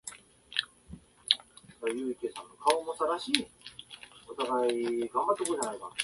車の中で何か異変が起きているようだった。ただ何がおかしいのかわからなかった。